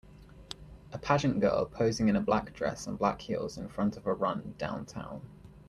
A pageant girl posing in a black dress and black heels in front of a run downtown.